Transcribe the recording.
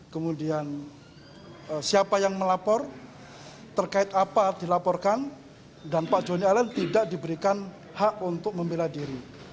kemudian siapa yang melapor terkait apa dilaporkan dan pak joni allen tidak diberikan hak untuk membela diri